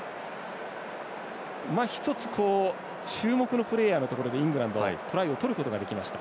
１つ、注目のプレーヤーのところイングランドはトライを取ることができました。